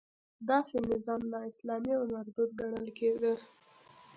داسې نظام نا اسلامي او مردود ګڼل کېده.